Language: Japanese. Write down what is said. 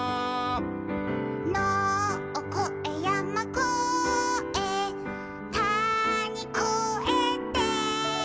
「のをこえやまこえたにこえて」